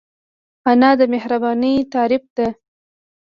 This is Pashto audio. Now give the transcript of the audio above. انا د مهربانۍ تعریف ده